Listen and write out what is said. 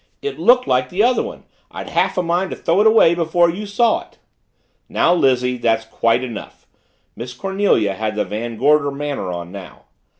"It looked like the other one. I'd half a mind to throw it away before you saw it!" "Now, Lizzie, that's quite enough!" Miss Cornelia had the Van Gorder manner on now.